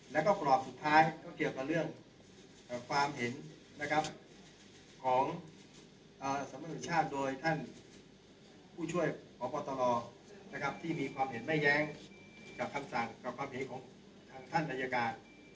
แล้วก็กรอบสุดท้ายก็เกี่ยวกับเรื่องความเห็นของสมมุติศาสตร์โดยท่านผู้ช่วยของพวัตลอที่มีความเห็นไม่แย้งกับความเห็นของท่านพญากาศ